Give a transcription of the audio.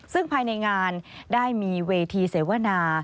ซึ่งภายในงานได้มีเวทีเสวนา